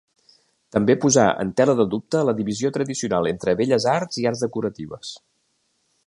També posà en tela de dubte la divisió tradicional entre belles arts i arts decoratives.